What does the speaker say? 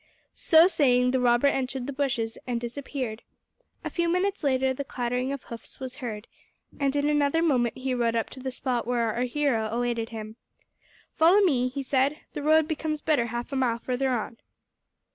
So saying the robber entered the bushes and disappeared. A few minutes later the clattering of hoofs was heard, and in another moment he rode up to the spot where our hero awaited him. "Follow me," he said; "the road becomes better half a mile further on."